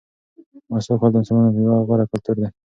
مسواک وهل د مسلمانانو یو غوره کلتور دی.